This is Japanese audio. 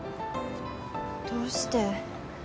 どうして？